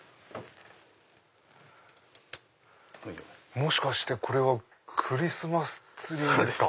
もしかしてこれはクリスマスツリーですか？